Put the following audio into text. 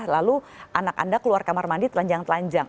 lalu anak anda keluar kamar mandi telanjang telanjang